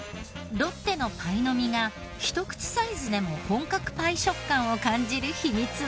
ロッテのパイの実がひと口サイズでも本格パイ食感を感じる秘密は。